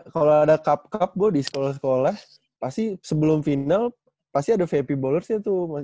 kalau ada cup cup gue di sekolah sekolah pasti sebelum final pasti ada vp bollersnya tuh